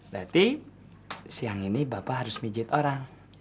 berarti siang ini bapak harus mijit orang